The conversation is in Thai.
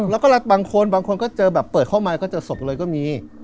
แล้วก็บางคนเปิดเข้ามาเจอสบเลยก็มี